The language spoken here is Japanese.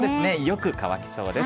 よく乾きそうです。